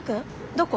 どこ？